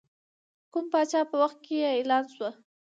د کوم پاچا په وخت کې اعلان شوه.